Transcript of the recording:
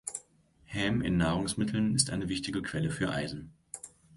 Häm in Nahrungsmitteln ist eine wichtige Quelle für Eisen.